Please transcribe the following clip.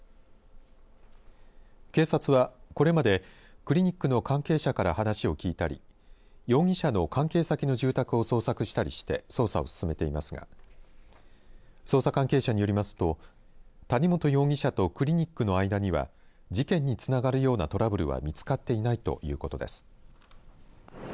警察は、これまでクリニックの関係者から話を聞いたり容疑者の関係先の住宅を捜索したりして捜査を進めていますが捜査関係者によりますと谷本容疑者とクリニックの間には事件につながるようなトラブルは見つかっていないということです。